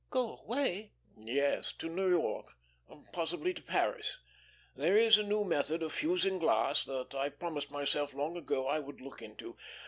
"Go away?" "Yes, to New York. Possibly to Paris. There is a new method of fusing glass that I've promised myself long ago I would look into.